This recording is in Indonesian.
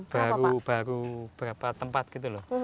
baru baru berapa tempat gitu loh